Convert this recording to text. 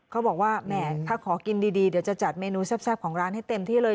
เขาบอกว่าแหมถ้าขอกินดีเดี๋ยวจะจัดเมนูแซ่บของร้านให้เต็มที่เลย